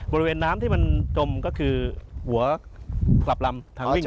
บริเวณน้ำที่มันจมก็คือหัวกลับลำทางวิ่ง